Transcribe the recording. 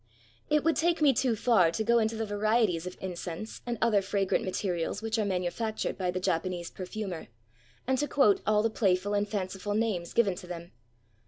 It would take me too far to go into the varieties of incense and other fragrant materials which are manu factured by the Japanese perfumer, and to quote all the playful and fanciful names given to them.